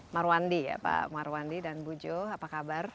marwandi ya pak marwandi dan bu jo apa kabar